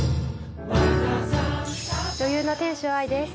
女優の天翔愛です。